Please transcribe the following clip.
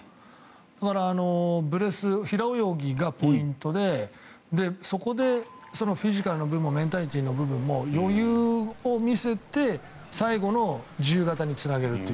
だからブレス平泳ぎがポイントでそこでフィジカルな部分もメンタルの部分も余裕を見せて最後の自由形につなげるという。